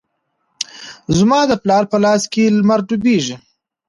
زما د پلار په لاس کې لمر ډوبیږې